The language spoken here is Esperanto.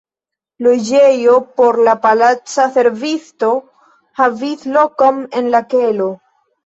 Loĝejo por la palaca servisto havis lokon en la kelo.